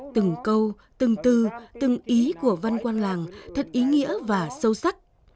từng câu từng tư từng ý của văn quang làng thật ý nghĩa và sâu sắc